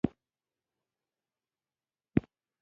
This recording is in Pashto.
په نوموړو مرستو کې نغدې پیسې، توکي او وګړي شامل دي.